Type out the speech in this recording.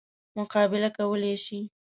مقابله کولای شي.